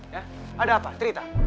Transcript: ya ada apa cerita